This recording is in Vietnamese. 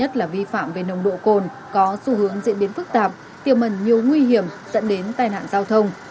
nhất là vi phạm về nồng độ cồn có xu hướng diễn biến phức tạp tiềm mẩn nhiều nguy hiểm dẫn đến tai nạn giao thông